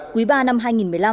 quý ba năm hai nghìn một mươi năm